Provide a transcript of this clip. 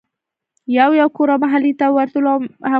يو يو کور او محلې ته ورتلو او هغوی ته به ئي